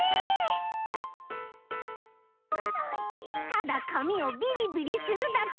ただかみをビリビリするだけ。